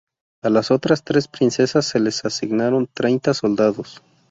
A las otras tres princesas se les asignaron treinta soldados.